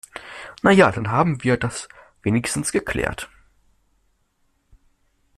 Na ja, dann haben wir das wenigstens geklärt.